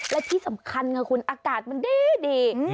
และที่สำคัญค่ะคุณอากาศมันดี